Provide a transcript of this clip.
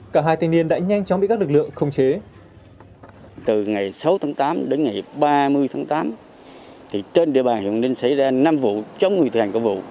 cả hai thanh niên đã nhanh chóng bị các lực lượng khống chế